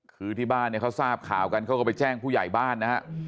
คือที่บ้านเนี่ยเขาทราบข่าวกันเขาก็ไปแจ้งผู้ใหญ่บ้านนะฮะ